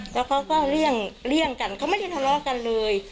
แล้วเขาก็เลี่ยงกันเขาไม่ได้ทะเลาะกันเลย